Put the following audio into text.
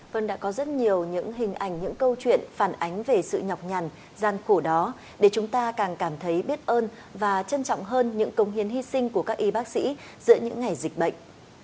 vâng đã có rất nhiều những hình ảnh những câu chuyện phản ánh về sự nhọc nhằn gian khổ đó để chúng ta càng cảm thấy biết ơn và trân trọng hơn những công hiến hy sinh của các y bác sĩ giữa những ngày dịch bệnh